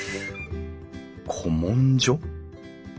古文書？